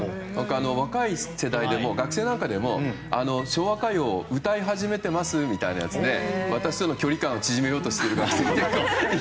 若い世代、学生なんかでも昭和歌謡を歌い始めてますみたいなやつで私との距離感を縮めようと。